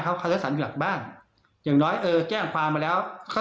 เขาคันศาสนอยู่หลังบ้านอย่างน้อยแจ้งความมาแล้วเขา